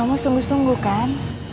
kamu sungguh sungguh kan